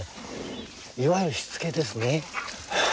いわゆる、しつけですね。